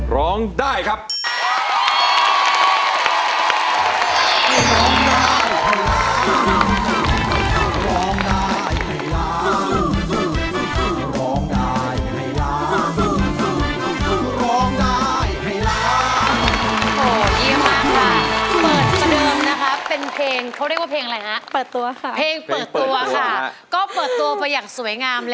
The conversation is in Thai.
ร้อง